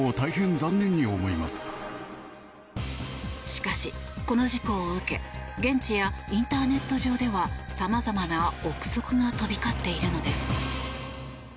しかし、この事故を受け現地やインターネット上では様々な臆測が飛び交っているのです。